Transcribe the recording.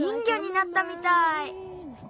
ぎょになったみたい。